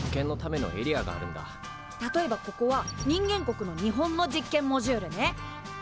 例えばここは人間国の日本の実験モジュールね。